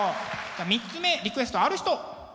じゃあ３つ目リクエストある人！